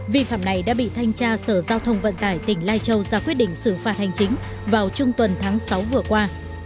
vi phạm này đã bị thanh tra sở giao thông vận tải tỉnh lai châu ra quyết định xử phạt hành chính vào trung tuần tháng sáu vừa qua